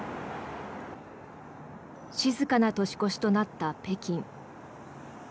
静かな年越しとなった北京。